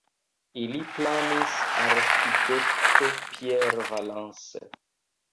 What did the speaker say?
Ilin planis arĥitekto Pierre Valence.